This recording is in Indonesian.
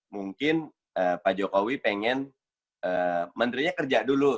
mungkin pak jokowi pengen menterinya kerja dulu